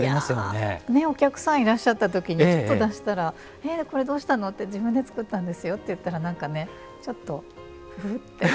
ねっお客さんいらっしゃった時にちょっと出したら「えっこれどうしたの？」って「自分で作ったんですよ」って言ったら何かねちょっとフフフッて。